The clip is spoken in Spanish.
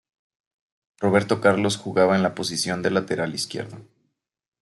Roberto Carlos jugaba en la posición de lateral izquierdo.